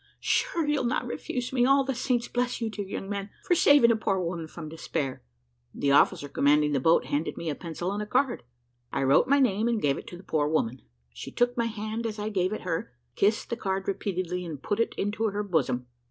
Sure you'll not refuse me. All the saints bless you, dear young man, for saving a poor woman from despair!" The officer commanding the boat handed me a pencil and a card; I wrote my name and gave it to the poor woman; she took my hand as I gave it her, kissed the card repeatedly, and put it into her bosom.